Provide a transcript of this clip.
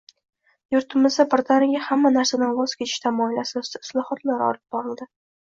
Yurtimizda birdaniga hamma narsadan voz kechish tamoyili asosida islohotlar olib borildi